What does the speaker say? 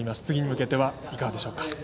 次に向けてはいかがでしょうか。